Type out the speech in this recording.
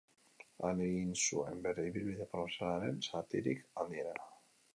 Han egin zuen bere ibilbide profesionalaren zatirik handiena.